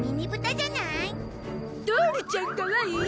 トオルちゃんかわいい！